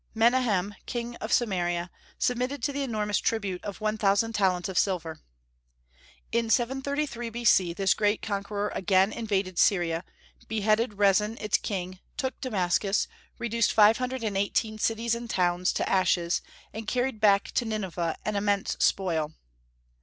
Menahem, king of Samaria, submitted to the enormous tribute of one thousand talents of silver. In 733 B.C. this great conqueror again invaded Syria, beheaded Rezin its king, took Damascus, reduced five hundred and eighteen cities and towns to ashes, and carried back to Nineveh an immense spoil.